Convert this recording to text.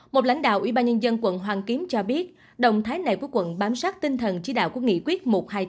một lãnh đạo ủy ban nhân dân quận hoàng kiếm cho biết động thái này của quận bám sát tinh thần trí đạo của nghị quyết một trăm hai mươi tám